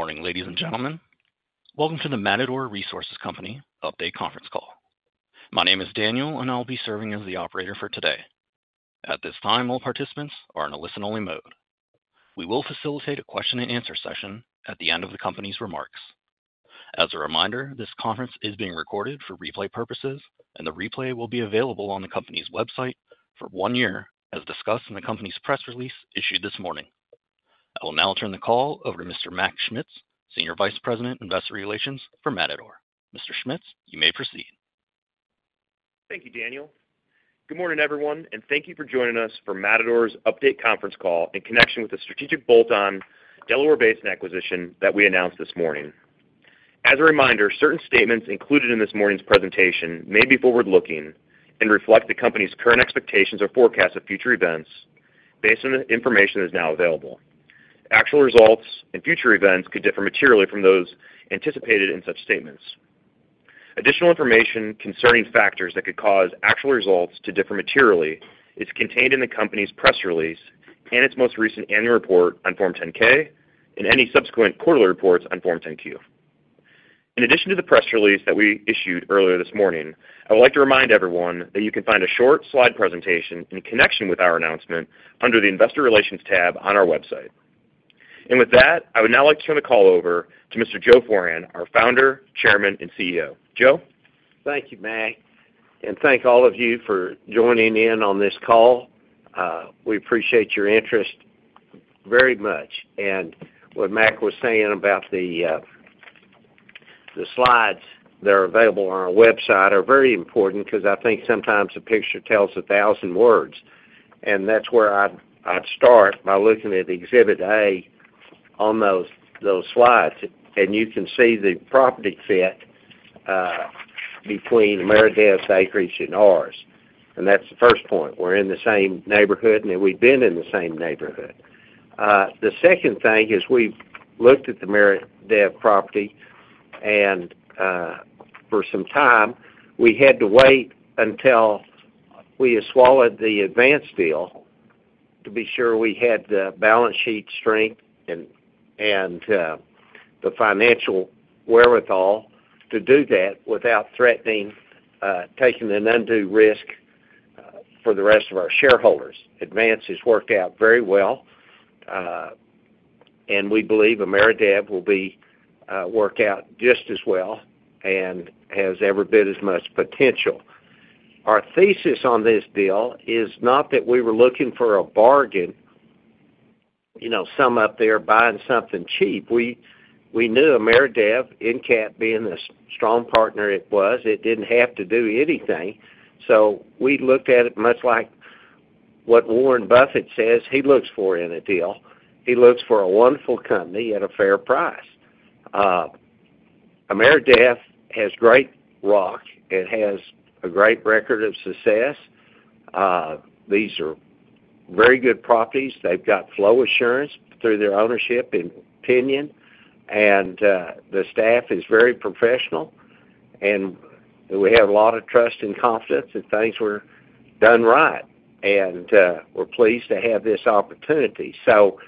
Good morning, ladies and gentlemen. Welcome to the Matador Resources Company Update Conference Call. My name is Daniel, and I'll be serving as the operator for today. At this time, all participants are in a listen-only mode. We will facilitate a question-and-answer session at the end of the company's remarks. As a reminder, this conference is being recorded for replay purposes, and the replay will be available on the company's website for one year, as discussed in the company's press release issued this morning. I will now turn the call over to Mr. Mac Schmitz, Senior Vice President, Investor Relations for Matador. Mr. Schmitz, you may proceed. Thank you, Daniel. Good morning, everyone, and thank you for joining us for Matador's update conference call in connection with the strategic bolt-on Delaware Basin acquisition that we announced this morning. As a reminder, certain statements included in this morning's presentation may be forward-looking and reflect the company's current expectations or forecasts of future events based on the information that is now available. Actual results and future events could differ materially from those anticipated in such statements. Additional information concerning factors that could cause actual results to differ materially is contained in the company's press release and its most recent annual report on Form 10-K and any subsequent quarterly reports on Form 10-Q. In addition to the press release that we issued earlier this morning, I would like to remind everyone that you can find a short slide presentation in connection with our announcement under the Investor Relations tab on our website. With that, I would now like to turn the call over to Mr. Joe Foran, our Founder, Chairman, and CEO. Joe? Thank you, Mac, and thank all of you for joining in on this call. We appreciate your interest very much. And what Mac was saying about the, the slides that are available on our website are very important because I think sometimes a picture tells a thousand words, and that's where I'd, I'd start by looking at Exhibit A on those, those slides, and you can see the property fit, between Ameredev acreage and ours. And that's the first point. We're in the same neighborhood, and we've been in the same neighborhood. The second thing is we've looked at the Ameredev property and, for some time, we had to wait until we had swallowed the Advance deal to be sure we had the balance sheet strength and the financial wherewithal to do that without threatening taking an undue risk for the rest of our shareholders. Advance has worked out very well, and we believe Ameredev will be work out just as well and has every bit as much potential. Our thesis on this deal is not that we were looking for a bargain, you know, sum up there buying something cheap. We knew Ameredev, EnCap, being the strong partner it was, it didn't have to do anything. So we looked at it much like what Warren Buffett says he looks for in a deal. He looks for a wonderful company at a fair price. Ameredev has great rock and has a great record of success. These are very good properties. They've got flow assurance through their ownership in Piñon, and the staff is very professional, and we have a lot of trust and confidence that things were done right, and we're pleased to have this opportunity. So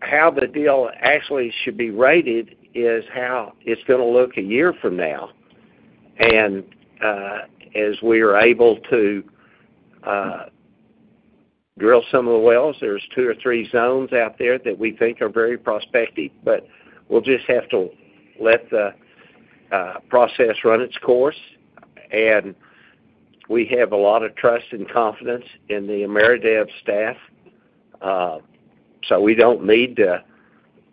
how the deal actually should be rated is how it's gonna look a year from now. And as we are able to drill some of the wells, there's two or three zones out there that we think are very prospective, but we'll just have to let the process run its course. And we have a lot of trust and confidence in the Ameredev staff, so we don't need to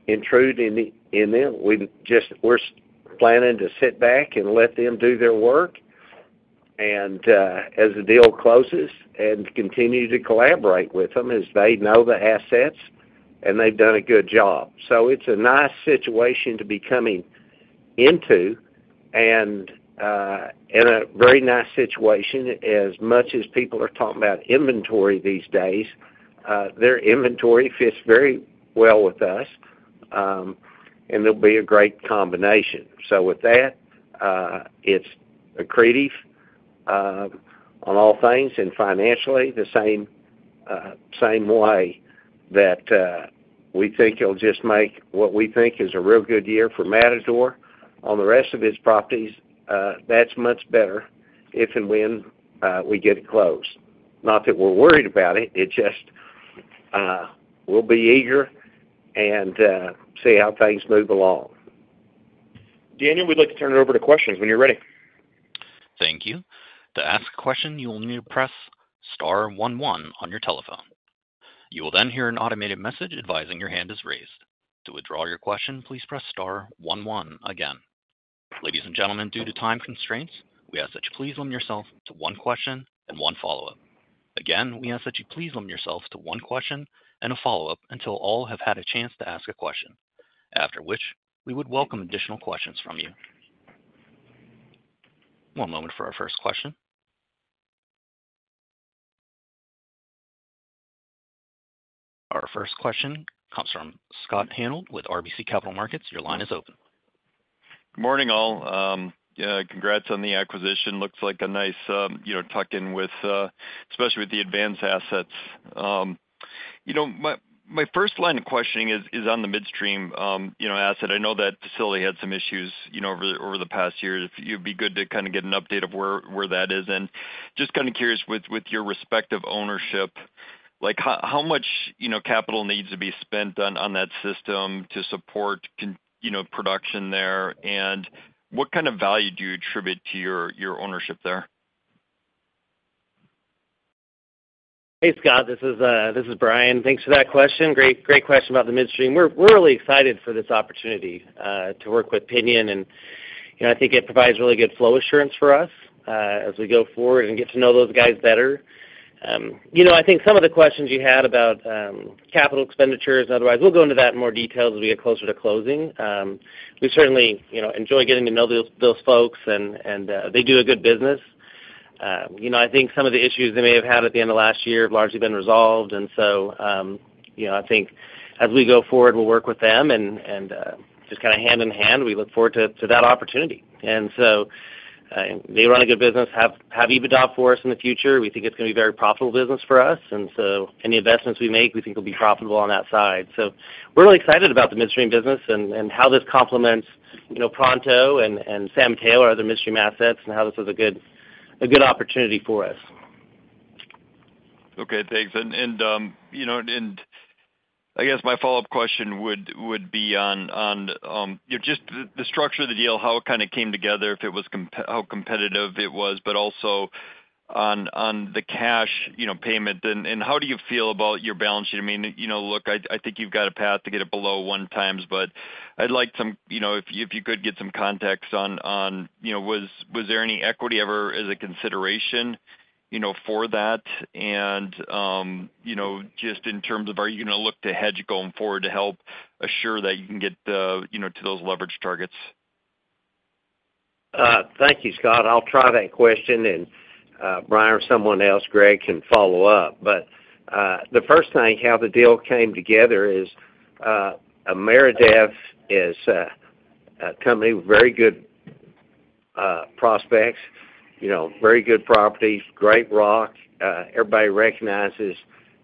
intrude in the, in them. We're planning to sit back and let them do their work, and as the deal closes, and continue to collaborate with them as they know the assets, and they've done a good job. So it's a nice situation to be coming into, and in a very nice situation, as much as people are talking about inventory these days, their inventory fits very well with us, and they'll be a great combination. So with that, it's accretive on all things, and financially, the same, same way that we think it'll just make what we think is a real good year for Matador. On the rest of its properties, that's much better if and when we get it closed. Not that we're worried about it, it just, we'll be eager and see how things move along. Daniel, we'd like to turn it over to questions when you're ready. Thank you. To ask a question, you will need to press star one one on your telephone. You will then hear an automated message advising your hand is raised. To withdraw your question, please press star one one again. Ladies and gentlemen, due to time constraints, we ask that you please limit yourself to one question and one follow-up. Again, we ask that you please limit yourselves to one question and a follow-up until all have had a chance to ask a question, after which we would welcome additional questions from you. One moment for our first question. Our first question comes from Scott Hanold with RBC Capital Markets. Your line is open.... Good morning, all. Yeah, congrats on the acquisition, looks like a nice, you know, tuck-in with, especially with the Advance assets. You know, my first line of questioning is on the midstream, you know, asset. I know that facility had some issues, you know, over the past year. If you'd be good to kind of get an update of where that is, and just kind of curious with your respective ownership, like, how much, you know, capital needs to be spent on that system to support combined production there? And what kind of value do you attribute to your ownership there? Hey, Scott, this is Brian. Thanks for that question. Great, great question about the midstream. We're really excited for this opportunity to work with Piñon, and, you know, I think it provides really good flow assurance for us as we go forward and get to know those guys better. You know, I think some of the questions you had about capital expenditures, otherwise, we'll go into that in more detail as we get closer to closing. We certainly, you know, enjoy getting to know those folks, and they do a good business. You know, I think some of the issues they may have had at the end of last year have largely been resolved. And so, you know, I think as we go forward, we'll work with them, and, and, just kind of hand in hand, we look forward to, to that opportunity. And so, they run a good business, have, have EBITDA for us in the future. We think it's gonna be a very profitable business for us, and so any investments we make, we think will be profitable on that side. So we're really excited about the midstream business and, and how this complements, you know, Pronto and, and San Mateo, other midstream assets, and how this is a good, a good opportunity for us. Okay, thanks. And you know, I guess my follow-up question would be on you know, just the structure of the deal, how it kind of came together, if it was how competitive it was, but also on the cash, you know, payment. And how do you feel about your balance sheet? I mean, you know, look, I think you've got a path to get it below 1x, but I'd like some, you know, if you could get some context on, you know, was there any equity ever as a consideration, you know, for that? And you know, just in terms of, are you gonna look to hedge going forward to help assure that you can get, you know, to those leverage targets? Thank you, Scott. I'll try that question, and Brian or someone else, Gregg, can follow up. But the first thing, how the deal came together is, Ameredev is a company with very good prospects, you know, very good properties, great rock. Everybody recognizes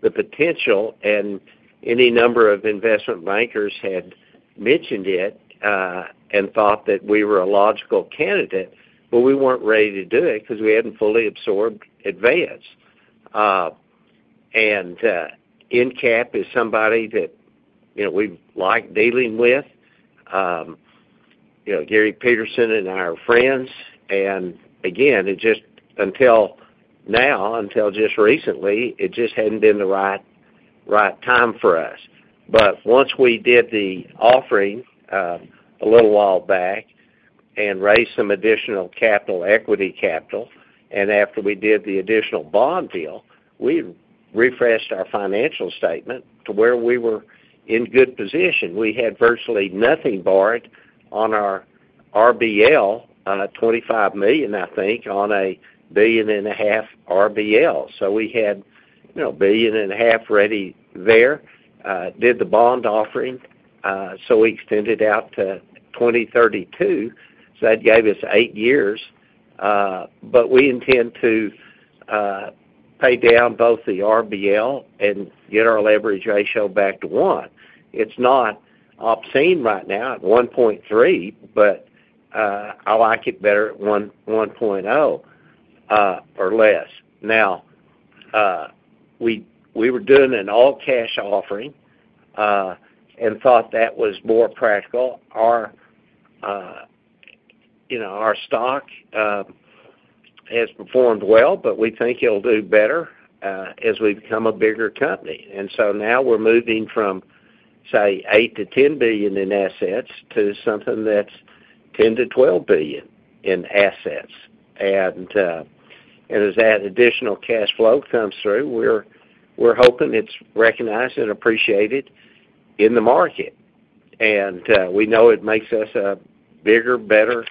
the potential, and any number of investment bankers had mentioned it, and thought that we were a logical candidate, but we weren't ready to do it because we hadn't fully absorbed Advance. And EnCap is somebody that, you know, we like dealing with. You know, Gary Petersen and I are friends, and again, it just, until now, until just recently, it just hadn't been the right, right time for us. But once we did the offering, a little while back and raised some additional capital, equity capital, and after we did the additional bond deal, we refreshed our financial statement to where we were in good position. We had virtually nothing borrowed on our RBL, $25 million, I think, on a $1.5 billion RBL. So we had, you know, a $1.5 billion ready there, did the bond offering, so we extended out to 2032, so that gave us eight years. But we intend to pay down both the RBL and get our leverage ratio back to 1x. It's not obscene right now at 1.3x, but, I like it better at 1.0x, or less. Now, we were doing an all-cash offering, and thought that was more practical. You know, our stock has performed well, but we think it'll do better as we become a bigger company. And so now we're moving from, say, $8 billion-$10 billion in assets to something that's $10 billion-$12 billion in assets. And as that additional cash flow comes through, we're hoping it's recognized and appreciated in the market. And we know it makes us a bigger, better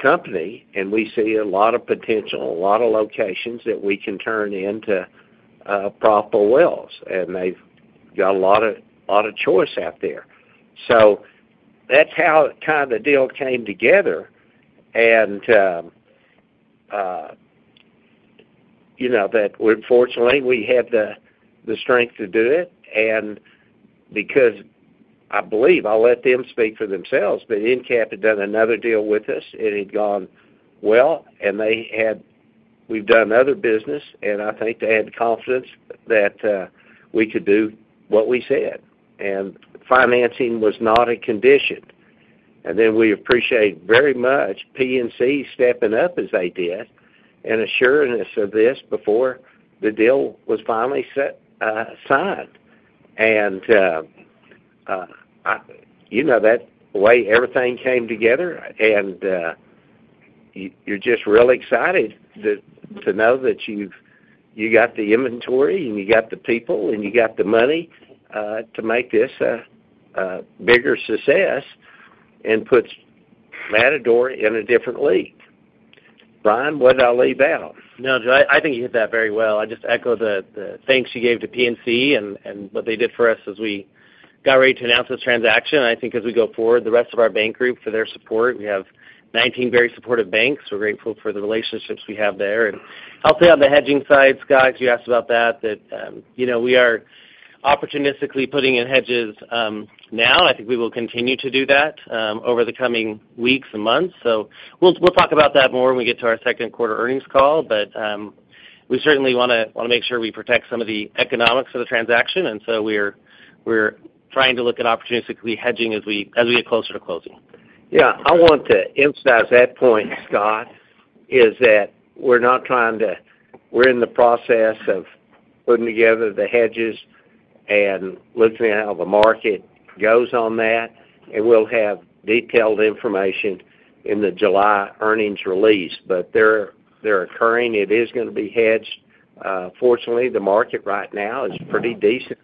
company, and we see a lot of potential, a lot of locations that we can turn into profitable wells, and they've got a lot of choice out there. So that's how the deal came together. And, you know, that fortunately, we had the strength to do it, and because I believe, I'll let them speak for themselves, but EnCap had done another deal with us, and it had gone well, and we've done other business, and I think they had confidence that we could do what we said, and financing was not a condition. And then we appreciate very much PNC stepping up as they did and assuring us of this before the deal was finally set, signed. And, I... You know, that's the way everything came together, and you, you're just really excited to know that you've got the inventory, and you got the people, and you got the money to make this a bigger success and puts Matador in a different league.... Brian, what did I leave out? No, Joe, I think you hit that very well. I just echo the thanks you gave to PNC and what they did for us as we got ready to announce this transaction. I think as we go forward, the rest of our bank group, for their support. We have 19 very supportive banks. We're grateful for the relationships we have there. And I'll say on the hedging side, Scott, you asked about that, you know, we are opportunistically putting in hedges now. I think we will continue to do that over the coming weeks and months. So we'll talk about that more when we get to our second quarter earnings call. But, we certainly wanna make sure we protect some of the economics of the transaction, and so we're trying to look at opportunistically hedging as we get closer to closing. Yeah, I want to emphasize that point, Scott, is that we're not trying to we're in the process of putting together the hedges and looking at how the market goes on that, and we'll have detailed information in the July earnings release. But they're occurring. It is gonna be hedged. Fortunately, the market right now is pretty decent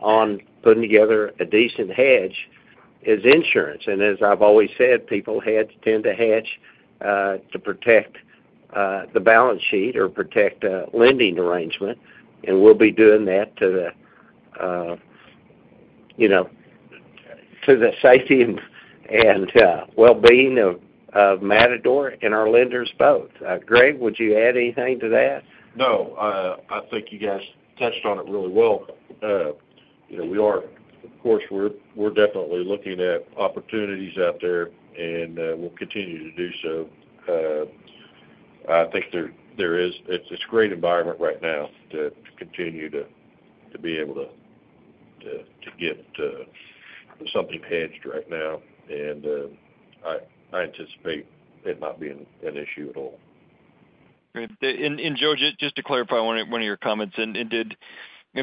on putting together a decent hedge as insurance. And as I've always said, people hedge, tend to hedge, to protect the balance sheet or protect a lending arrangement, and we'll be doing that to the, you know, to the safety and well-being of Matador and our lenders both. Gregg, would you add anything to that? No, I think you guys touched on it really well. You know, we are, of course, we're definitely looking at opportunities out there, and we'll continue to do so. I think there is. It's a great environment right now to continue to be able to get something hedged right now, and I anticipate it not being an issue at all. Great. And Joe, just to clarify one of your comments. And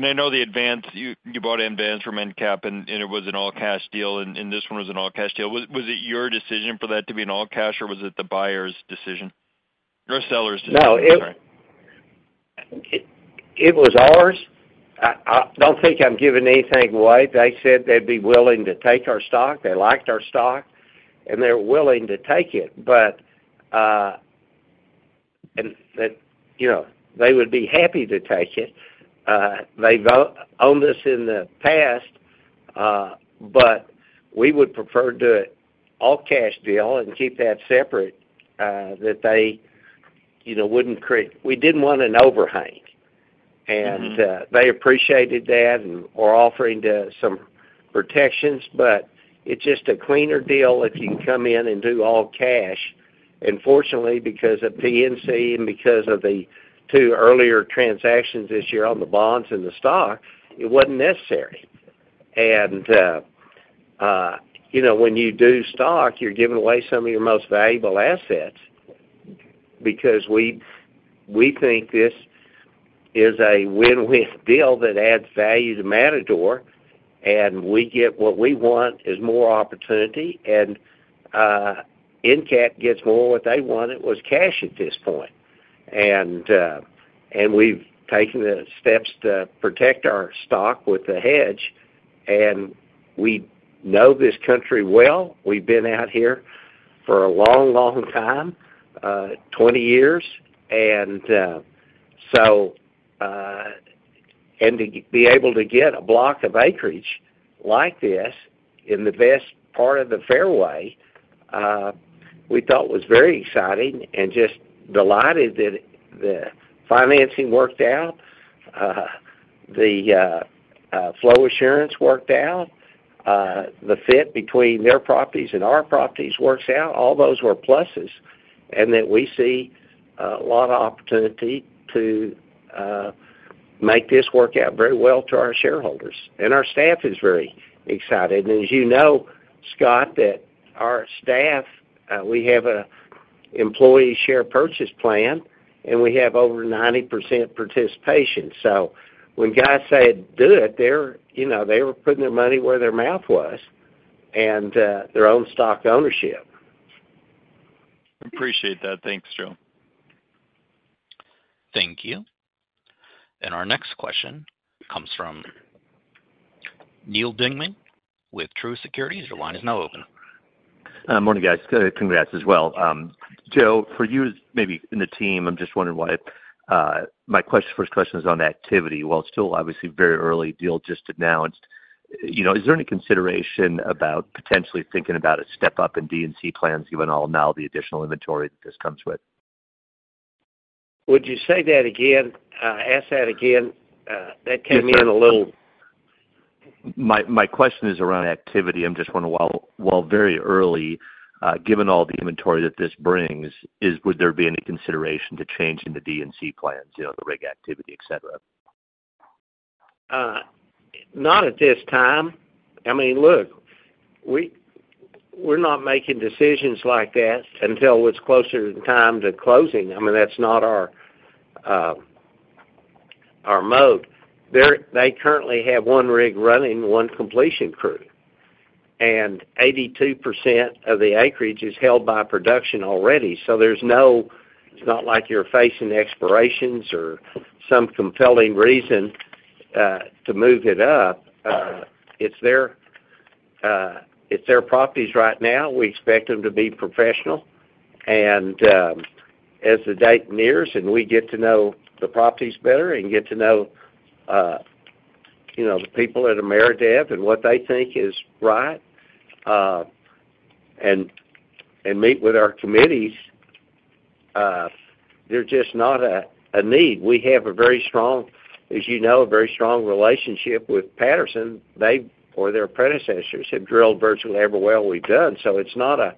I know the Advance, you bought Advance from EnCap, and it was an all-cash deal, and this one was an all-cash deal. Was it your decision for that to be an all-cash, or was it the buyer's decision, or seller's decision? Sorry. No, it was ours. I don't think I'm giving anything away. They said they'd be willing to take our stock. They liked our stock, and they're willing to take it. But, and that, you know, they would be happy to take it. They've owned us in the past, but we would prefer to do it all-cash deal and keep that separate, that they, you know, wouldn't create... We didn't want an overhang. Mm-hmm. They appreciated that and are offering some protections, but it's just a cleaner deal if you can come in and do all cash. And fortunately, because of PNC and because of the two earlier transactions this year on the bonds and the stock, it wasn't necessary. And, you know, when you do stock, you're giving away some of your most valuable assets. Because we think this is a win-win deal that adds value to Matador, and we get what we want, is more opportunity, and EnCap gets more of what they wanted, was cash at this point. And we've taken the steps to protect our stock with the hedge, and we know this country well. We've been out here for a long, long time, 20 years. So, to be able to get a block of acreage like this in the best part of the fairway, we thought was very exciting and just delighted that the financing worked out, the flow assurance worked out, the fit between their properties and our properties works out. All those were pluses, and that we see a lot of opportunity to make this work out very well to our shareholders. And our staff is very excited. And as you know, Scott, that our staff, we have an employee share purchase plan, and we have over 90% participation. So when guys say, "Do it," they're, you know, they were putting their money where their mouth was and their own stock ownership. Appreciate that. Thanks, Joe. Thank you. Our next question comes from Neal Dingmann with Truist Securities. Your line is now open. Morning, guys. Congrats as well. Joe, for you maybe and the team, I'm just wondering. First question is on activity. While it's still obviously a very early deal, just announced, you know, is there any consideration about potentially thinking about a step-up in D&C plans, given all now the additional inventory that this comes with? Would you say that again, ask that again? That came in a little- My question is around activity. I'm just wondering, while very early, given all the inventory that this brings, would there be any consideration to changing the D&C plans, you know, the rig activity, et cetera? Not at this time. I mean, look, we're not making decisions like that until it's closer to the time to closing. I mean, that's not our mode. They currently have one rig running, one completion crew, and 82% of the acreage is held by production already. So there's no, it's not like you're facing expirations or some compelling reason to move it up. It's their properties right now. We expect them to be professional. And as the date nears, and we get to know the properties better and get to know the people at Ameredev and what they think is right, and meet with our committees, there's just not a need. We have a very strong, as you know, a very strong relationship with Patterson. They, or their predecessors, have drilled virtually every well we've done. So it's not a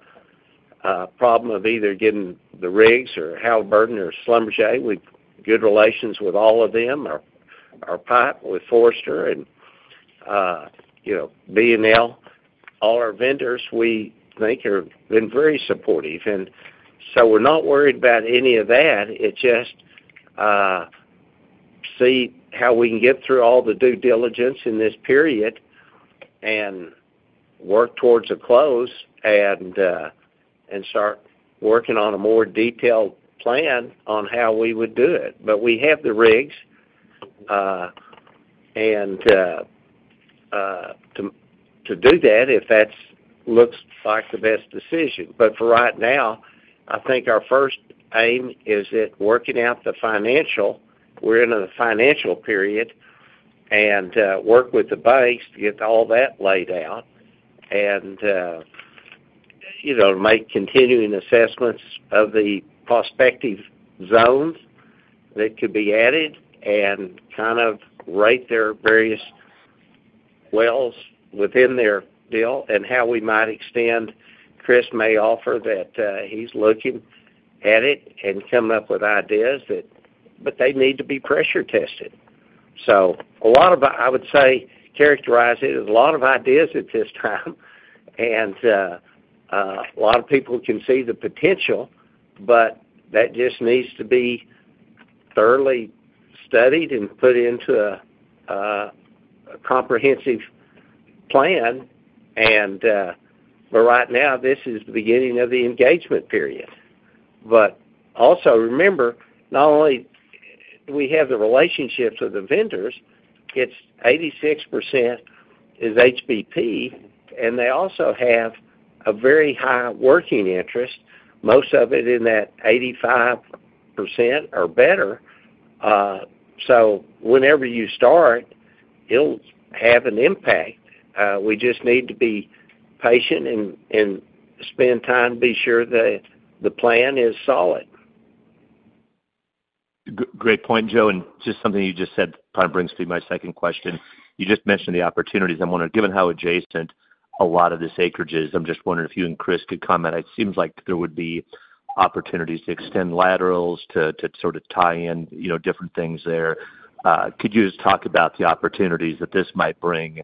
problem of either getting the rigs or Halliburton or Schlumberger. We've good relations with all of them, our pipe with Foster and, you know, B&L. All our vendors, we think, have been very supportive. And so we're not worried about any of that. It's just see how we can get through all the due diligence in this period and work towards a close and start working on a more detailed plan on how we would do it. But we have the rigs and to do that, if that looks like the best decision. But for right now, I think our first aim is at working out the financial. We're in a financial period, and work with the banks to get all that laid out and, you know, make continuing assessments of the prospective zones that could be added and kind of rate their various wells within their deal and how we might extend. Chris may offer that, he's looking at it and come up with ideas that, but they need to be pressure tested. So a lot of, I would say, characterize it as a lot of ideas at this time. A lot of people can see the potential, but that just needs to be thoroughly studied and put into a comprehensive plan. But right now, this is the beginning of the engagement period. But also, remember, not only do we have the relationships with the vendors, it's 86% is HBP, and they also have a very high working interest, most of it in that 85% or better. So whenever you start, it'll have an impact. We just need to be patient and spend time, be sure that the plan is solid. Great point, Joe. And just something you just said, kind of brings me to my second question. You just mentioned the opportunities. I'm wondering, given how adjacent a lot of this acreage is, I'm just wondering if you and Chris could comment. It seems like there would be opportunities to extend laterals, to sort of tie in, you know, different things there. Could you just talk about the opportunities that this might bring,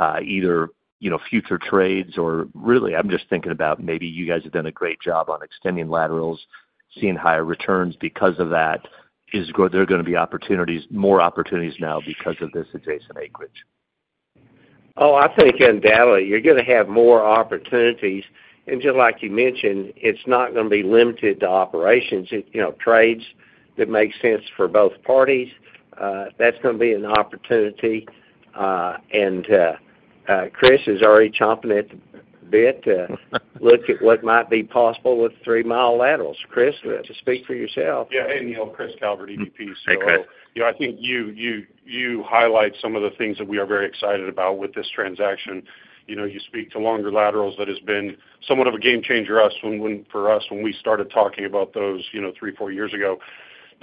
either, you know, future trades or really, I'm just thinking about maybe you guys have done a great job on extending laterals, seeing higher returns because of that. Is there going to be opportunities, more opportunities now because of this adjacent acreage? Oh, I think undoubtedly, you're going to have more opportunities. And just like you mentioned, it's not going to be limited to operations, you know, trades that make sense for both parties, that's going to be an opportunity. And, Chris is already chomping at the bit to look at what might be possible with 3-mi laterals. Chris, just speak for yourself. Yeah. Hey, Neal, Chris Calvert, EVP, so- Hey, Chris. You know, I think you highlight some of the things that we are very excited about with this transaction. You know, you speak to longer laterals that has been somewhat of a game changer for us, when we started talking about those, you know, three to four years ago.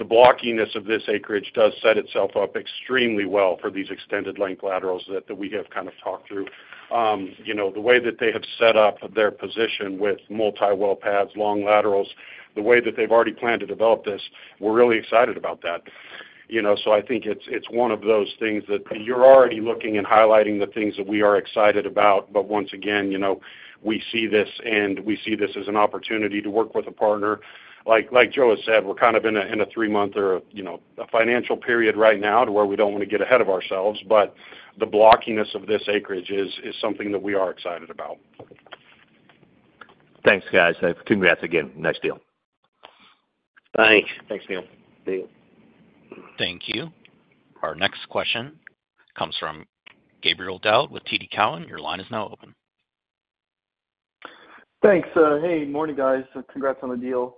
The blockiness of this acreage does set itself up extremely well for these extended length laterals that we have kind of talked through. You know, the way that they have set up their position with multi-well pads, long laterals, the way that they've already planned to develop this, we're really excited about that. You know, so I think it's one of those things that you're already looking and highlighting the things that we are excited about. But once again, you know, we see this, and we see this as an opportunity to work with a partner. Like, like Joe has said, we're kind of in a, in a three-month or, you know, a financial period right now to where we don't want to get ahead of ourselves. But the blockiness of this acreage is, is something that we are excited about. Thanks, guys. Congrats again. Nice deal. Thanks. Thanks, Neil. See you. Thank you. Our next question comes from Gabriel Daoud with TD Cowen. Your line is now open. Thanks. Hey, morning, guys, and congrats on the deal.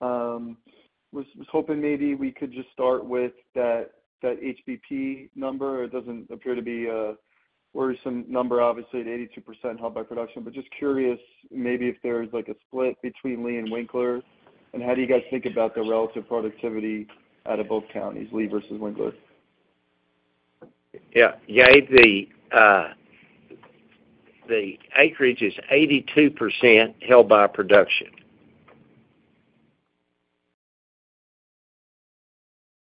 Was hoping maybe we could just start with that, that HBP number. It doesn't appear to be a worrisome number, obviously, at 82% held by production. But just curious, maybe if there's like a split between Lea and Winkler, and how do you guys think about the relative productivity out of both counties, Lea versus Winkler? Yeah. Gabe, the acreage is 82% held by production.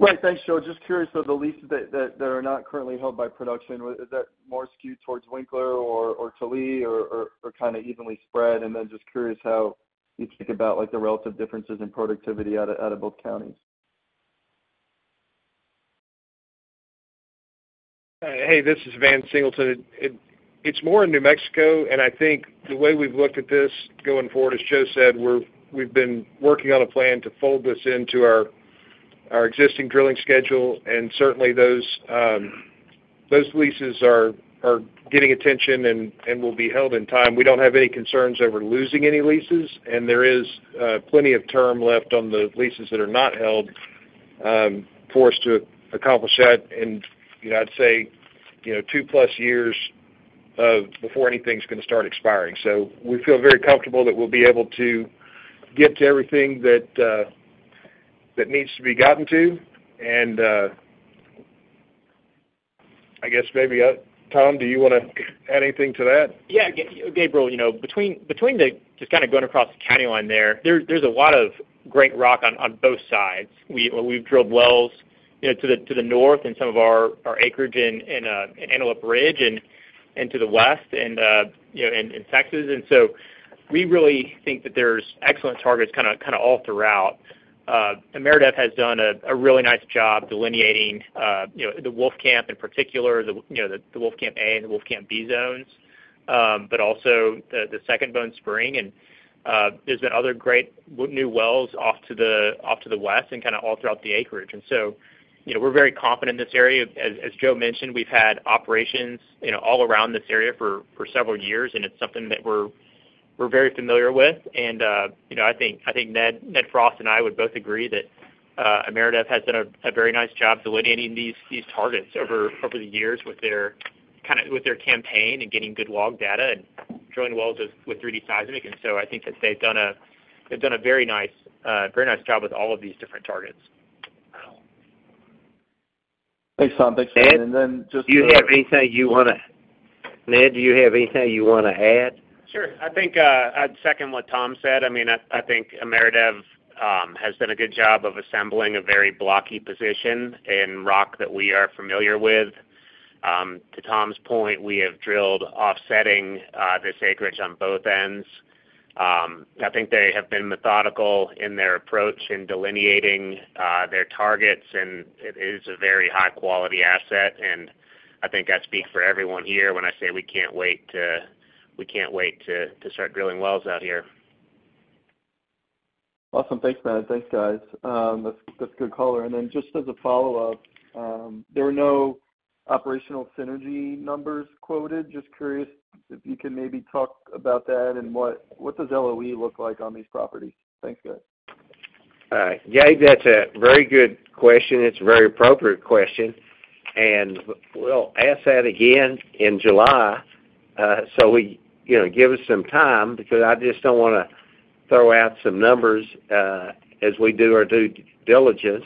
Great. Thanks, Joe. Just curious though, the leases that are not currently held by production, is that more skewed towards Winkler or to Lea or kind of evenly spread? And then just curious how you think about, like, the relative differences in productivity out of both counties. Hey, this is Van Singleton. It's more in New Mexico, and I think the way we've looked at this going forward, as Joe said, we've been working on a plan to fold this into our— ...our existing drilling schedule, and certainly those leases are getting attention and will be held in time. We don't have any concerns over losing any leases, and there is plenty of term left on the leases that are not held for us to accomplish that. You know, I'd say, you know, two plus years before anything's going to start expiring. So we feel very comfortable that we'll be able to get to everything that needs to be gotten to. I guess maybe, Tom, do you want to add anything to that? Yeah, Gabriel, you know, between, just kind of going across the county line there, there's a lot of great rock on both sides. We, we've drilled wells, you know, to the north and some of our acreage in Antelope Ridge and to the west and, you know, in Texas. And so we really think that there's excellent targets kind of all throughout. Ameredev has done a really nice job delineating, you know, the Wolfcamp, in particular, the Wolfcamp A and the Wolfcamp B zones, but also the Second Bone Spring. And there's been other great new wells off to the west and kind of all throughout the acreage. And so, you know, we're very confident in this area. As Joe mentioned, we've had operations, you know, all around this area for several years, and it's something that we're very familiar with. And you know, I think Ned Frost and I would both agree that Ameredev has done a very nice job delineating these targets over the years with their, kind of, with their campaign and getting good log data and drilling wells with 3D seismic. And so I think that they've done a very nice job with all of these different targets. Thanks, Tom. Thanks for that. Ned- And then just. Do you have anything you wanna... Ned, do you have anything you wanna add? Sure. I think I'd second what Tom said. I mean, I think Ameredev has done a good job of assembling a very blocky position in rock that we are familiar with. To Tom's point, we have drilled offsetting this acreage on both ends. I think they have been methodical in their approach in delineating their targets, and it is a very high-quality asset, and I think I speak for everyone here when I say we can't wait to, we can't wait to start drilling wells out here. Awesome. Thanks, Ned. Thanks, guys. That's, that's a good color. And then just as a follow-up, there were no operational synergy numbers quoted. Just curious if you can maybe talk about that and what, what does LOE look like on these properties? Thanks, guys. All right, Gabe, that's a very good question. It's a very appropriate question, and we'll ask that again in July. So we, you know, give us some time because I just don't wanna throw out some numbers as we do our due diligence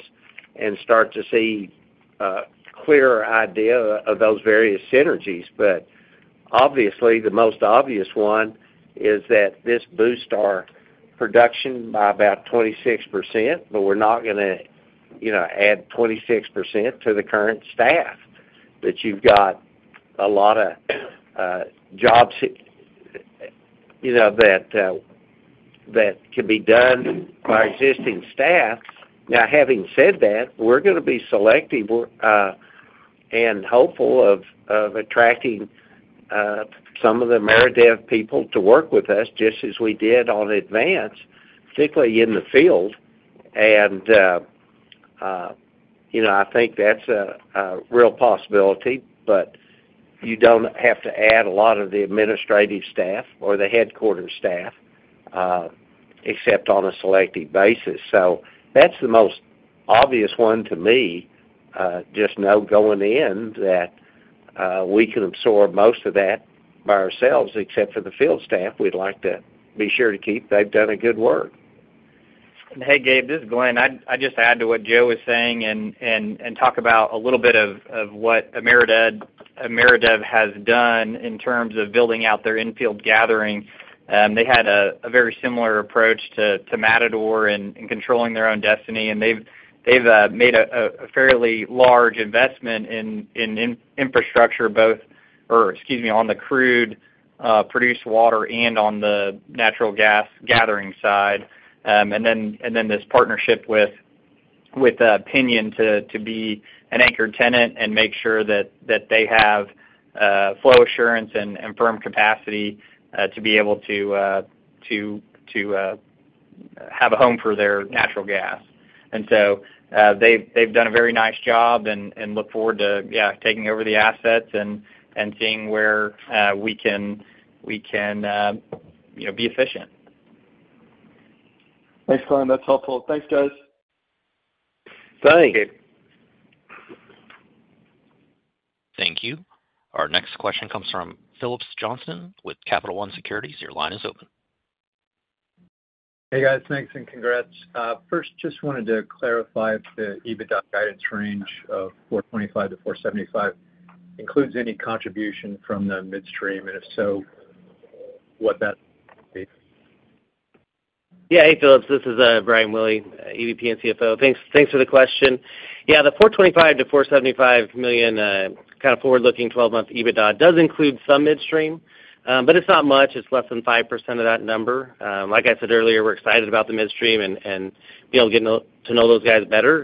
and start to see a clearer idea of those various synergies. But obviously, the most obvious one is that this boosts our production by about 26%, but we're not gonna, you know, add 26% to the current staff. That you've got a lot of jobs, you know, that can be done by existing staff. Now, having said that, we're gonna be selective and hopeful of attracting some of the Ameredev people to work with us, just as we did on Advance, particularly in the field. You know, I think that's a real possibility, but you don't have to add a lot of the administrative staff or the headquarters staff, except on a selective basis. So that's the most obvious one to me. Just know going in that we can absorb most of that by ourselves, except for the field staff we'd like to be sure to keep. They've done a good work. Hey, Gabe, this is Glenn. I'd just add to what Joe was saying and talk about a little bit of what Ameredev has done in terms of building out their infield gathering. They had a very similar approach to Matador in controlling their own destiny, and they've made a fairly large investment in infrastructure, both, or excuse me, on the crude produced water and on the natural gas gathering side. And then this partnership with Piñon to be an anchored tenant and make sure that they have flow assurance and firm capacity to be able to have a home for their natural gas. And so, they've done a very nice job and look forward to, yeah, taking over the assets and seeing where we can, you know, be efficient. Thanks, Glenn. That's helpful. Thanks, guys. Thanks, Gabe. Thank you. Our next question comes from Phillips Johnston with Capital One Securities. Your line is open. Hey, guys. Thanks, and congrats. First, just wanted to clarify if the EBITDA guidance range of $425 million-$475 million includes any contribution from the midstream, and if so, what that would be? Yeah. Hey, Phillips, this is Brian Willey, EVP and CFO. Thanks, thanks for the question. Yeah, the $425 million-$475 million kind of forward-looking 12-month EBITDA does include some midstream, but it's not much. It's less than 5% of that number. Like I said earlier, we're excited about the midstream and be able to get to know those guys better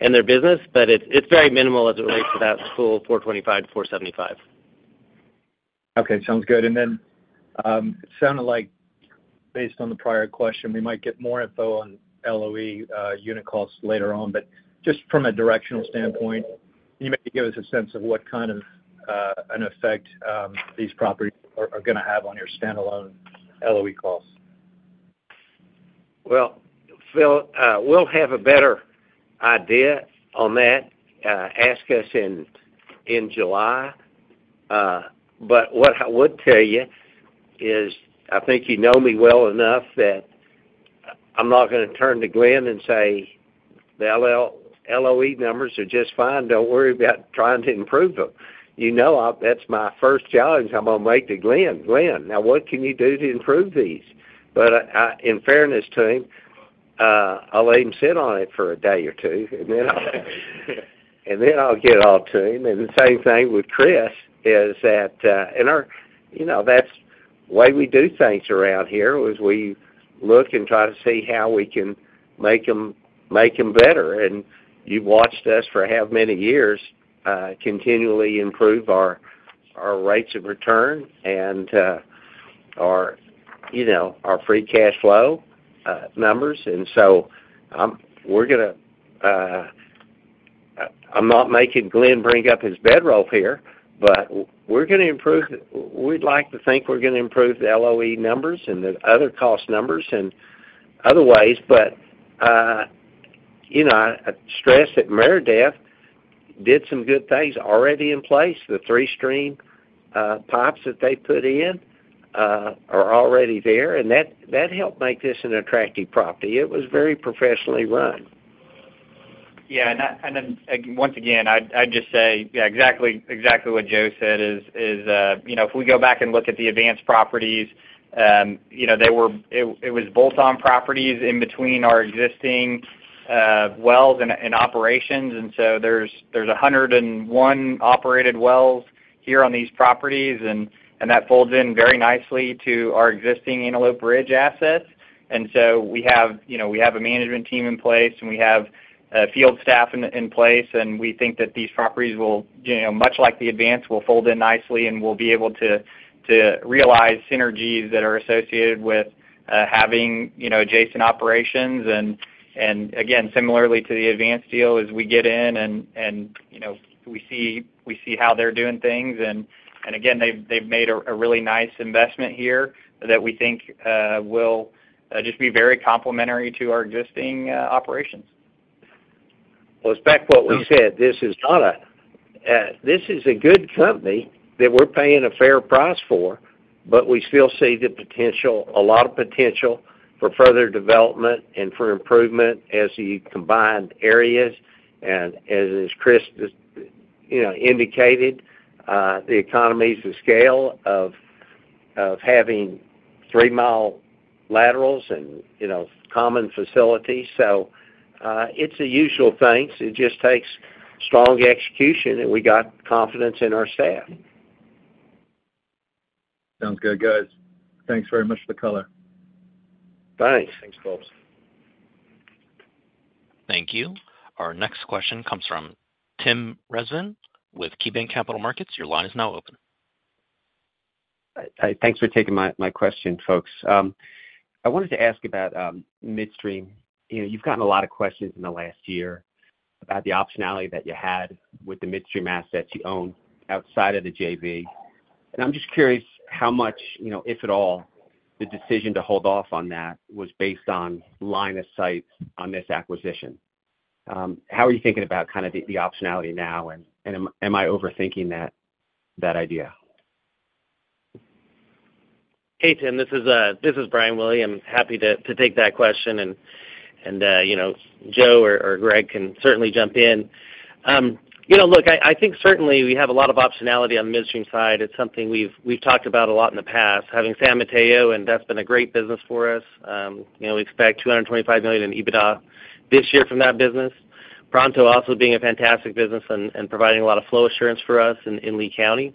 and their business, but it's very minimal as it relates to that full $425 million-$475 million.... Okay, sounds good. Then, it sounded like based on the prior question, we might get more info on LOE unit costs later on. But just from a directional standpoint, can you maybe give us a sense of what kind of an effect these properties are gonna have on your standalone LOE costs? Well, Phil, we'll have a better idea on that. Ask us in July. But what I would tell you is, I think you know me well enough that I'm not gonna turn to Glenn and say, "The LOE numbers are just fine. Don't worry about trying to improve them." You know, that's my first challenge I'm gonna make to Glenn: "Glenn, now, what can you do to improve these?" But in fairness to him, I'll let him sit on it for a day or two, and then I'll get after him. And the same thing with Chris is that in our, you know, that's the way we do things around here, is we look and try to see how we can make them better. And you've watched us for how many years, continually improve our, our rates of return and, our, you know, our free cash flow, numbers. And so, we're gonna... I'm not making Glenn bring up his bed roll here, but we're gonna improve-- we'd like to think we're gonna improve the LOE numbers and the other cost numbers in other ways. But, you know, I'd stress that Ameredev did some good things already in place. The three-stream, pipes that they put in, are already there, and that, that helped make this an attractive property. It was very professionally run. Yeah, and that, and then, again, once again, I'd just say, yeah, exactly what Joe said is, you know, if we go back and look at the Advance properties, you know, they were bolt-on properties in between our existing wells and operations. And so there's 101 operated wells here on these properties, and that folds in very nicely to our existing Antelope Ridge assets. And so we have, you know, we have a management team in place, and we have field staff in place, and we think that these properties will, you know, much like the Advance, will fold in nicely, and we'll be able to realize synergies that are associated with having, you know, adjacent operations. Again, similarly to the Advance deal, as we get in and, you know, we see how they're doing things. Again, they've made a really nice investment here that we think will just be very complementary to our existing operations. Well, it's back to what we said. This is not a—this is a good company that we're paying a fair price for, but we still see the potential, a lot of potential for further development and for improvement as we combine areas. And as Chris just, you know, indicated, the economies of scale of having 3-mi laterals and, you know, common facilities. So, it's the usual things. It just takes strong execution, and we got confidence in our staff. Sounds good, guys. Thanks very much for the color. Thanks. Thanks, folks. Thank you. Our next question comes from Tim Rezvan with KeyBanc Capital Markets. Your line is now open. Thanks for taking my question, folks. I wanted to ask about midstream. You know, you've gotten a lot of questions in the last year about the optionality that you had with the midstream assets you own outside of the JV. I'm just curious how much, you know, if at all, the decision to hold off on that was based on line of sight on this acquisition. How are you thinking about kind of the optionality now, and am I overthinking that idea? Hey, Tim. This is Brian Willey. I'm happy to take that question, and you know, Joe or Greg can certainly jump in. You know, look, I think certainly we have a lot of optionality on the midstream side. It's something we've talked about a lot in the past, having San Mateo, and that's been a great business for us. You know, we expect $225 million in EBITDA this year from that business. Pronto also being a fantastic business and providing a lot of flow assurance for us in Lea County.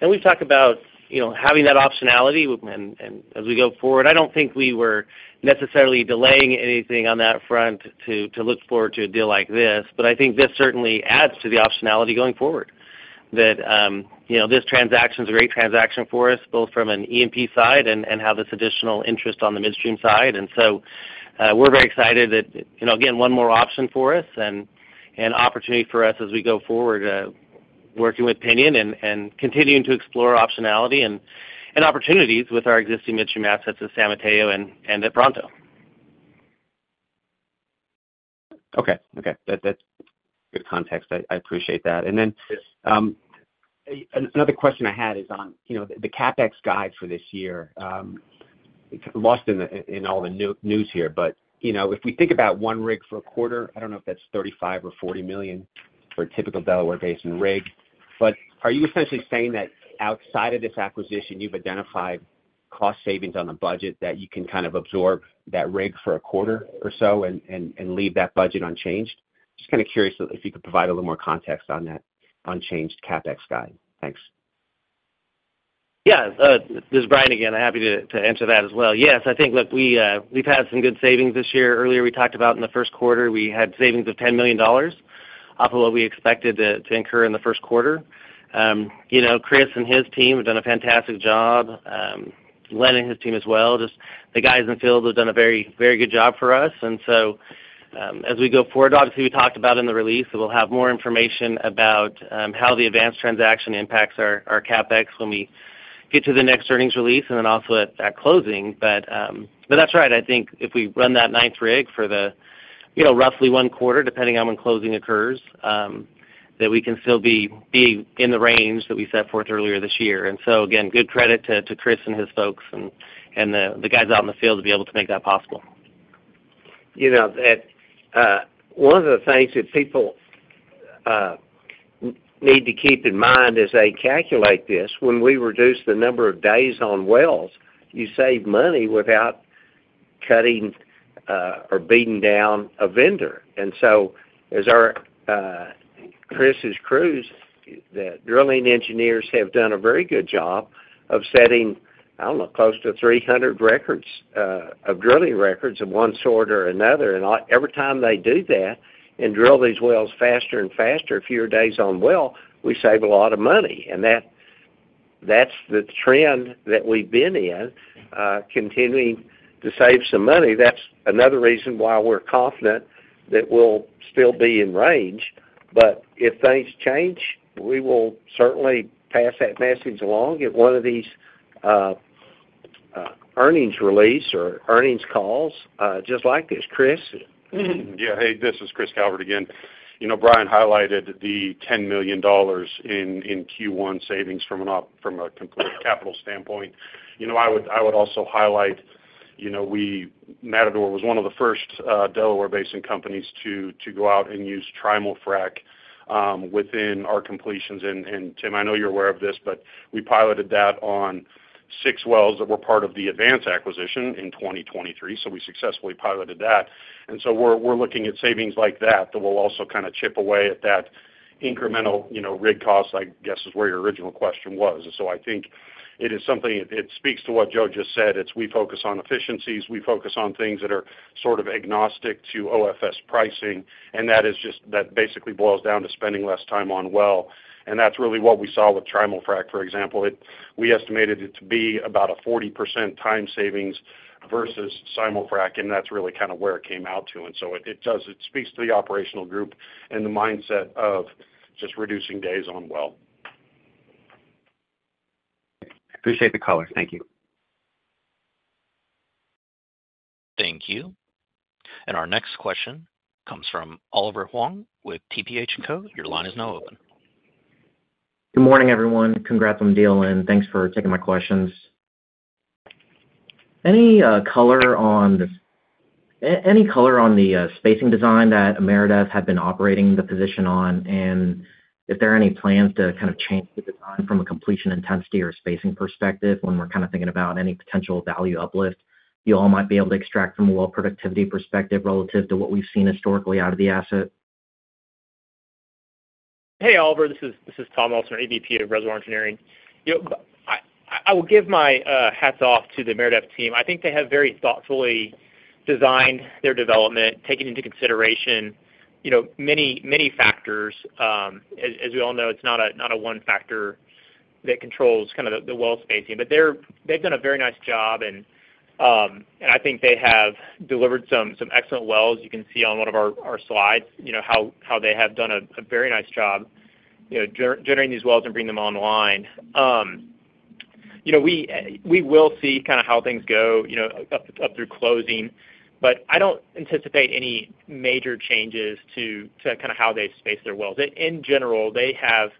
And we've talked about, you know, having that optionality, and as we go forward, I don't think we were necessarily delaying anything on that front to look forward to a deal like this, but I think this certainly adds to the optionality going forward. That, you know, this transaction's a great transaction for us, both from an E&P side and have this additional interest on the midstream side. So, we're very excited that, you know, again, one more option for us and opportunity for us as we go forward, working with Piñon and continuing to explore optionality and opportunities with our existing midstream assets at San Mateo and at Pronto. Okay. That's good context. I appreciate that. Yes. And then, another question I had is on, you know, the CapEx guide for this year. Lost in the, in all the news here, but, you know, if we think about one rig for a quarter, I don't know if that's $35 million or $40 million for a typical Delaware Basin rig. But are you essentially saying that outside of this acquisition, you've identified cost savings on the budget that you can kind of absorb that rig for a quarter or so and leave that budget unchanged? Just kind of curious if you could provide a little more context on that unchanged CapEx guide. Thanks. Yeah, this is Brian again, happy to answer that as well. Yes, I think, look, we've had some good savings this year. Earlier, we talked about in the first quarter, we had savings of $10 million.... Off of what we expected to incur in the first quarter. You know, Chris and his team have done a fantastic job, Glenn and his team as well. Just the guys in the field have done a very, very good job for us. And so, as we go forward, obviously, we talked about in the release, that we'll have more information about how the Advance transaction impacts our CapEx when we get to the next earnings release and then also at closing. But that's right. I think if we run that ninth rig for the, you know, roughly one quarter, depending on when closing occurs, that we can still be in the range that we set forth earlier this year. And so again, good credit to Chris and his folks and the guys out in the field to be able to make that possible. You know, that one of the things that people need to keep in mind as they calculate this, when we reduce the number of days on wells, you save money without cutting or beating down a vendor. And so as our Chris's crews, the drilling engineers have done a very good job of setting, I don't know, close to 300 records of drilling records of one sort or another. And every time they do that and drill these wells faster and faster, fewer days on well, we save a lot of money. And that, that's the trend that we've been in, continuing to save some money. That's another reason why we're confident that we'll still be in range. But if things change, we will certainly pass that message along at one of these earnings release or earnings calls, just like this. Chris? Yeah. Hey, this is Chris Calvert again. You know, Brian highlighted the $10 million in Q1 savings from a complete capital standpoint. You know, I would also highlight, you know, we Matador was one of the first Delaware Basin companies to go out and use Trimul-Frac within our completions. And Tim, I know you're aware of this, but we piloted that on six wells that were part of the Advance acquisition in 2023, so we successfully piloted that. And so we're looking at savings like that that will also kind of chip away at that incremental, you know, rig cost, I guess, is where your original question was. So I think it is something. It speaks to what Joe just said. It's, we focus on efficiencies, we focus on things that are sort of agnostic to OFS pricing, and that is just that basically boils down to spending less time on well. And that's really what we saw with Trimul-Frac, for example. We estimated it to be about a 40% time savings versus simul-frac, and that's really kind of where it came out to. And so it, it does, it speaks to the operational group and the mindset of just reducing days on well. Appreciate the color. Thank you. Thank you. Our next question comes from Oliver Huang with TPH & Co. Your line is now open. Good morning, everyone. Congrats on the deal, and thanks for taking my questions. Any color on the spacing design that Ameredev had been operating the position on? And if there are any plans to kind of change the design from a completion intensity or spacing perspective, when we're kind of thinking about any potential value uplift you all might be able to extract from a well productivity perspective relative to what we've seen historically out of the asset? Hey, Oliver, this is Tom Elsener, EVP of Reservoir Engineering. You know, I will give my hats off to the Ameredev team. I think they have very thoughtfully designed their development, taking into consideration, you know, many, many factors. As we all know, it's not a one factor that controls kind of the well spacing. But they've done a very nice job, and I think they have delivered some excellent wells. You can see on one of our slides, you know, how they have done a very nice job, you know, generating these wells and bringing them online. You know, we will see kind of how things go, you know, up through closing, but I don't anticipate any major changes to kind of how they space their wells. In general, they have,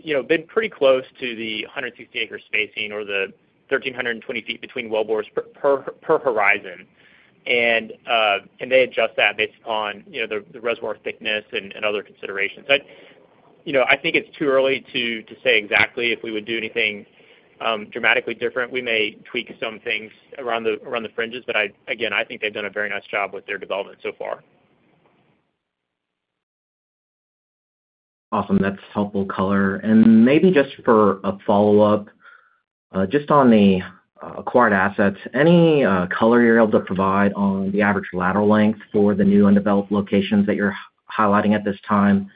you know, been pretty close to the 160-ac spacing or the 1,320 ft between wellbores per per horizon. And they adjust that based upon, you know, the reservoir thickness and other considerations. I, you know, I think it's too early to say exactly if we would do anything dramatically different. We may tweak some things around the, around the fringes, but I, again, I think they've done a very nice job with their development so far. Awesome. That's helpful color. Maybe just for a follow-up, just on the acquired assets, any color you're able to provide on the average lateral length for the new undeveloped locations that you're highlighting at this time?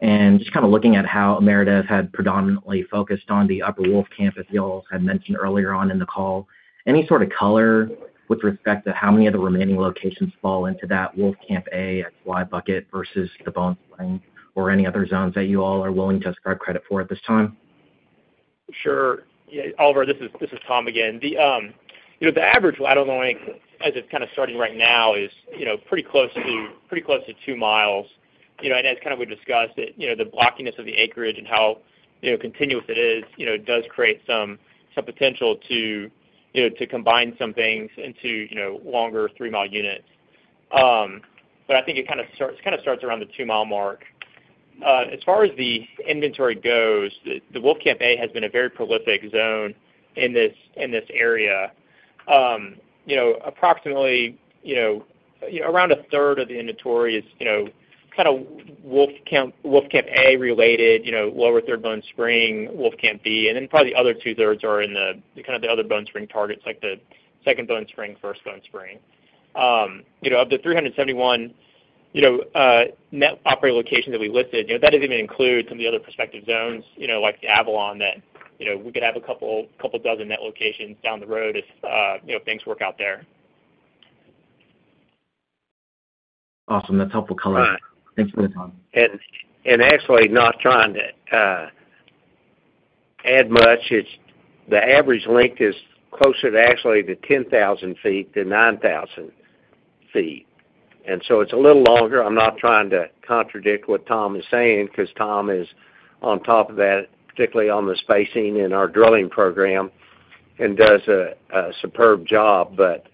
And just kind of looking at how Ameredev had predominantly focused on the Upper Wolfcamp, as you all had mentioned earlier on in the call, any sort of color with respect to how many of the remaining locations fall into that Wolfcamp A and B bucket versus the Bone Spring or any other zones that you all are willing to ascribe credit for at this time? Sure. Yeah, Oliver, this is, this is Tom again. The, you know, the average lateral length, as it's kind of starting right now, is, you know, pretty close to, pretty close to 2 mi. You know, and as kind of we've discussed it, you know, the blockiness of the acreage and how, you know, continuous it is, you know, it does create some, some potential to, you know, to combine some things into, you know, longer 3-mi units. But I think it kind of starts, kind of starts around the 2-mi mark. As far as the inventory goes, the, the Wolfcamp A has been a very prolific zone in this, in this area. You know, approximately, you know, around a third of the inventory is, you know, kind of Wolfcamp, Wolfcamp A related, you know, lower third Bone Spring, Wolfcamp B, and then probably the other two-thirds are in the kind of the other Bone Spring targets, like the second Bone Spring, first Bone Spring. You know, of the 371...... You know, net operating locations that we listed, you know, that doesn't even include some of the other prospective zones, you know, like the Avalon, that, you know, we could have a couple, couple dozen net locations down the road if, you know, things work out there. Awesome. That's helpful color. Right. Thanks for your time. Actually, not trying to add much, it's the average length is closer to actually to 10,000 ft than 9,000 ft, and so it's a little longer. I'm not trying to contradict what Tom is saying, 'cause Tom is on top of that, particularly on the spacing and our drilling program, and does a superb job. But,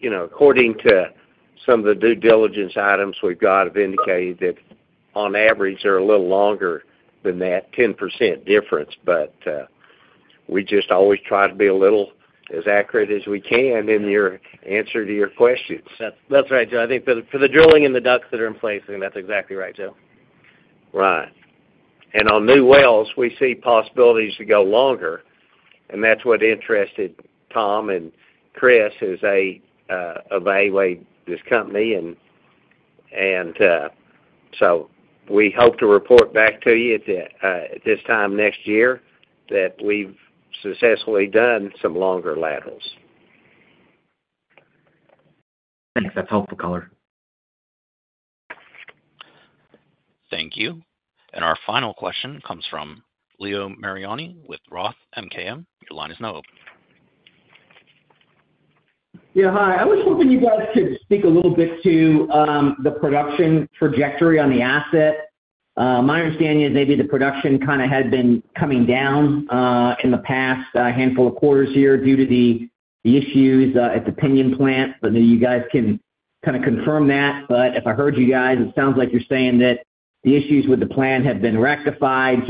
you know, according to some of the due diligence items we've got have indicated that on average, they're a little longer than that 10% difference. But, we just always try to be a little as accurate as we can in your answer to your questions. That's, that's right, Joe. I think for the, for the drilling and the DUCs that are in place, I think that's exactly right, Joe. Right. And on new wells, we see possibilities to go longer, and that's what interested Tom and Chris, who's evaluated this company. And so we hope to report back to you at this time next year, that we've successfully done some longer laterals. Thanks. That's helpful color. Thank you. Our final question comes from Leo Mariani with Roth MKM. Your line is now open. Yeah, hi. I was hoping you guys could speak a little bit to the production trajectory on the asset. My understanding is maybe the production kind of had been coming down in the past handful of quarters here, due to the issues at the Piñon plant. But maybe you guys can kind of confirm that. But if I heard you guys, it sounds like you're saying that the issues with the plant have been rectified.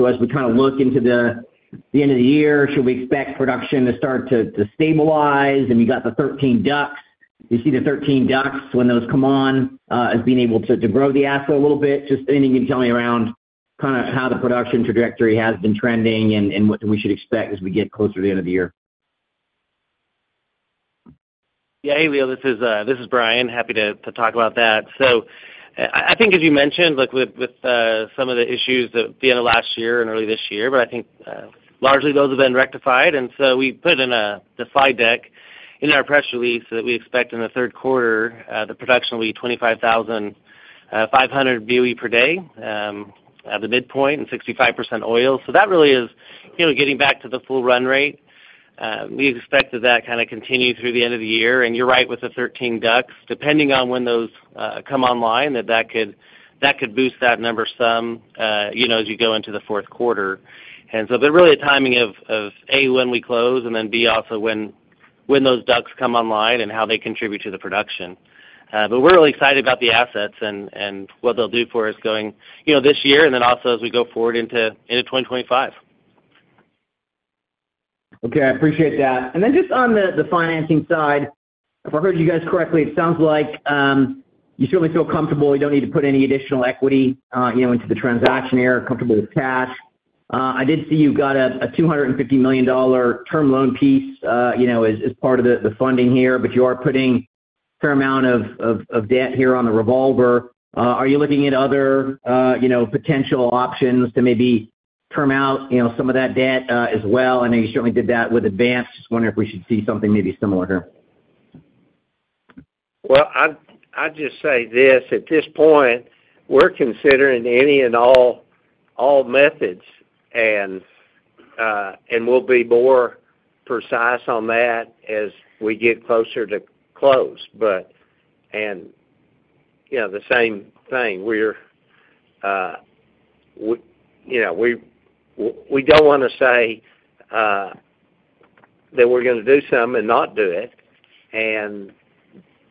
So as we kind of look into the end of the year, should we expect production to start to stabilize? And you got the 13 DUCs. Do you see the 13 DUCs, when those come on, as being able to grow the asset a little bit? Just anything you can tell me around kind of how the production trajectory has been trending and what we should expect as we get closer to the end of the year? Yeah. Hey, Leo, this is, this is Brian. Happy to talk about that. So I think as you mentioned, like with some of the issues at the end of last year and early this year, but I think largely those have been rectified. And so we put in the slide deck in our press release that we expect in the third quarter the production will be 25,500 BOE per day at the midpoint and 65% oil. So that really is, you know, getting back to the full run rate. We expect that, that kind of continue through the end of the year. And you're right, with the 13 DUCs, depending on when those come online, that, that could, that could boost that number some, you know, as you go into the fourth quarter. But really the timing of A, when we close, and then B, also when those DUCs come online and how they contribute to the production. But we're really excited about the assets and what they'll do for us going, you know, this year, and then also as we go forward into 2025. Okay, I appreciate that. And then just on the financing side, if I heard you guys correctly, it sounds like you certainly feel comfortable you don't need to put any additional equity, you know, into the transaction here, comfortable with cash. I did see you've got a $250 million term loan piece, you know, as part of the funding here, but you are putting a fair amount of debt here on the revolver. Are you looking at other, you know, potential options to maybe term out, you know, some of that debt, as well? I know you certainly did that with Advance. Just wondering if we should see something maybe similar here. Well, I'd just say this: At this point, we're considering any and all methods, and we'll be more precise on that as we get closer to close. But you know, the same thing, we're we you know we don't want to say that we're going to do something and not do it. And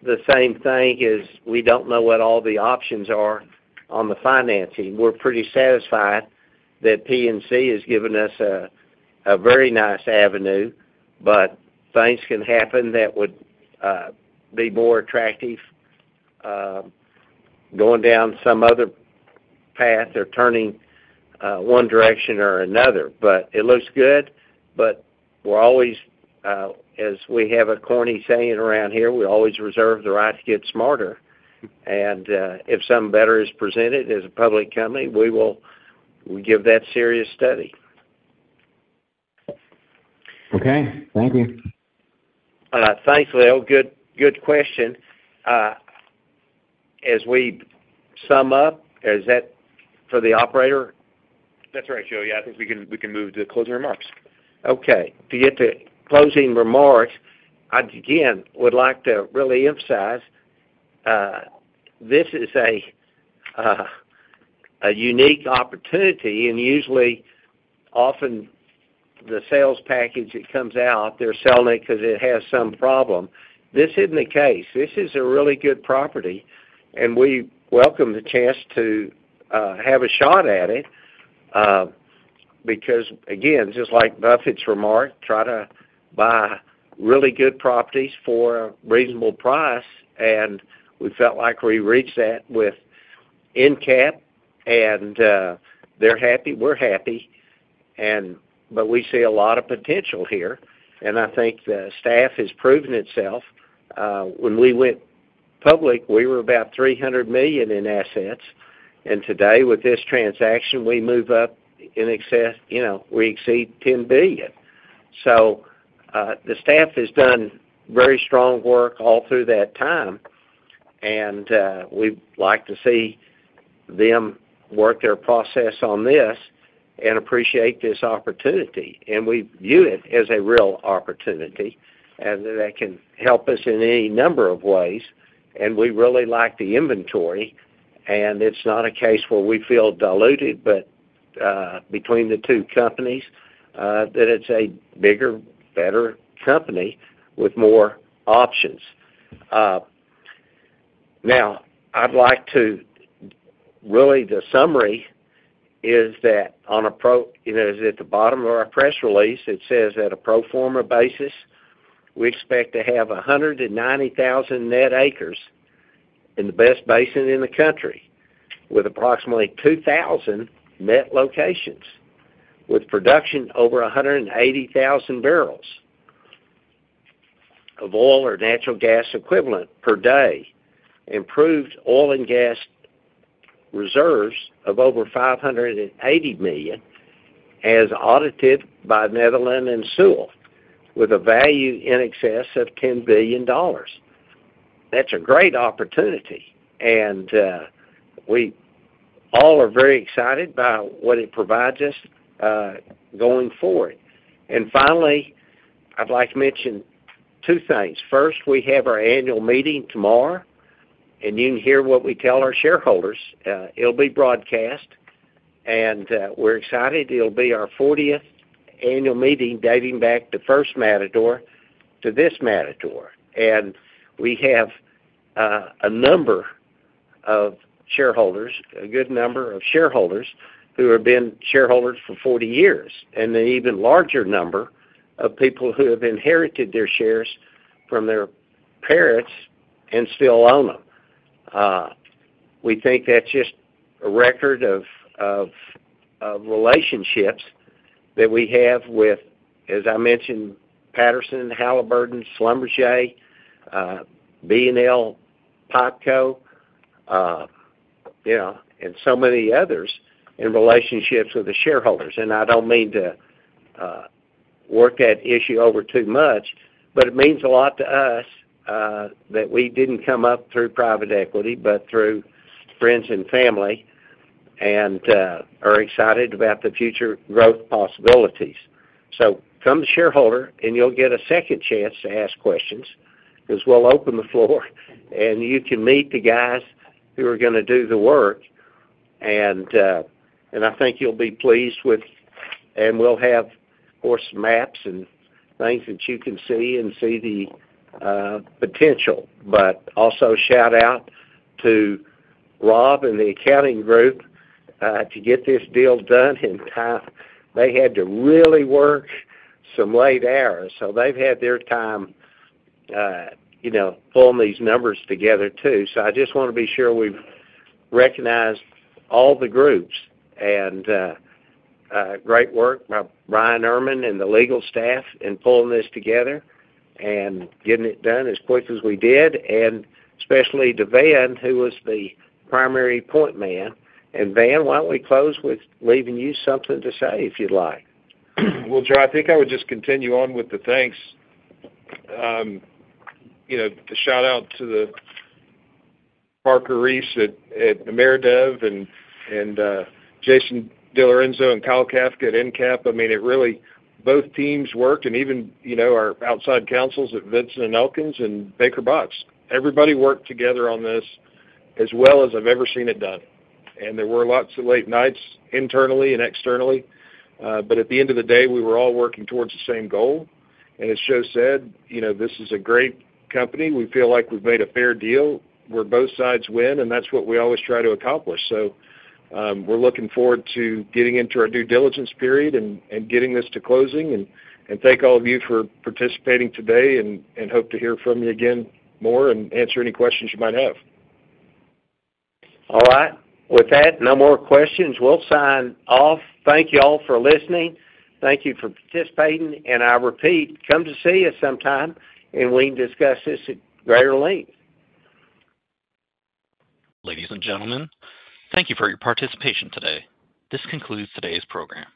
the same thing is, we don't know what all the options are on the financing. We're pretty satisfied that PNC has given us a very nice avenue, but things can happen that would be more attractive, going down some other path or turning one direction or another. But it looks good, but we're always, as we have a corny saying around here, we always reserve the right to get smarter. If something better is presented, as a public company, we will give that serious study. Okay, thank you. Thanks, Leo. Good, good question. As we sum up, is that for the operator? That's right, Joe. Yeah, I think we can, we can move to closing remarks. Okay. To get to closing remarks, I'd again would like to really emphasize, this is a unique opportunity, and usually, often the sales package that comes out, they're selling it because it has some problem. This isn't the case. This is a really good property, and we welcome the chance to have a shot at it, because, again, just like Buffett's remark, try to buy really good properties for a reasonable price, and we felt like we reached that with EnCap, and they're happy, we're happy, and but we see a lot of potential here, and I think the staff has proven itself. When we went public, we were about $300 million in assets, and today, with this transaction, we move up in excess, you know, we exceed $10 billion. So, the staff has done very strong work all through that time, and we'd like to see them work their process on this and appreciate this opportunity. And we view it as a real opportunity, and that can help us in any number of ways, and we really like the inventory, and it's not a case where we feel diluted, but between the two companies, that it's a bigger, better company with more options. Now, I'd like to really, the summary is that on a pro forma basis, you know, it is at the bottom of our press release, it says, "At a pro forma basis, we expect to have 190,000 net acres in the best basin in the country, with approximately 2,000 net locations, with production over 180,000 bbl of oil or natural gas equivalent per day, and proven oil and gas reserves of over 580 million, as audited by Netherland, Sewell, with a value in excess of $10 billion." That's a great opportunity, and we all are very excited by what it provides us going forward. Finally, I'd like to mention two things. First, we have our annual meeting tomorrow, and you can hear what we tell our shareholders. It'll be broadcast, and we're excited. It'll be our 40th annual meeting, dating back to first Matador to this Matador. We have a number of shareholders, a good number of shareholders, who have been shareholders for 40 years, and an even larger number of people who have inherited their shares from their parents and still own them. We think that's just a record of relationships that we have with, as I mentioned, Patterson, Halliburton, Schlumberger, B&L, Popco, you know, and so many others in relationships with the shareholders. And I don't mean to work that issue over too much, but it means a lot to us, that we didn't come up through private equity, but through friends and family, and are excited about the future growth possibilities. So come to shareholder, and you'll get a second chance to ask questions, 'cause we'll open the floor, and you can meet the guys who are gonna do the work. And, and I think you'll be pleased with... And we'll have, of course, some maps and things that you can see and see the potential. But also shout out to Rob and the accounting group to get this deal done in time. They had to really work some late hours, so they've had their time, you know, pulling these numbers together, too. So I just wanna be sure we've recognized all the groups. And, great work by Bryan Erman and the legal staff in pulling this together and getting it done as quick as we did, and especially to Van, who was the primary point man. Van, why don't we close with leaving you something to say, if you'd like? Well, Joe, I think I would just continue on with the thanks. You know, to shout out to the Parker Reese at Ameredev and Jason DeLorenzo and Kyle Kafka at EnCap. I mean, it really, both teams worked and even, you know, our outside counsels at Vinson & Elkins and Baker Botts. Everybody worked together on this as well as I've ever seen it done. And there were lots of late nights, internally and externally, but at the end of the day, we were all working towards the same goal. And as Joe said, you know, this is a great company. We feel like we've made a fair deal, where both sides win, and that's what we always try to accomplish. So, we're looking forward to getting into our due diligence period and getting this to closing. Thank all of you for participating today and hope to hear from you again more, and answer any questions you might have. All right. With that, no more questions. We'll sign off. Thank you all for listening. Thank you for participating, and I repeat, come to see us sometime, and we can discuss this at greater length. Ladies and gentlemen, thank you for your participation today. This concludes today's program.